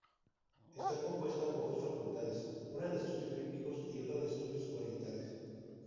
Está compuesta por dos facultades: una de estudios bíblicos y otra de estudios orientales.